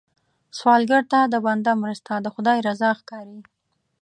سوالګر ته د بنده مرسته، د خدای رضا ښکاري